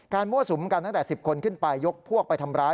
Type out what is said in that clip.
มั่วสุมกันตั้งแต่๑๐คนขึ้นไปยกพวกไปทำร้าย